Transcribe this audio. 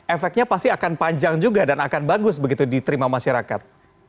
efeknya pasti akan panjang juga dan akan bagus begitu diterima masyarakat